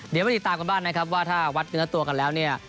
เดี๋ยวมาติดตามกันบ้างนะครับว่าถ้าวัดเนื้อตัวกันแล้วเนี่ย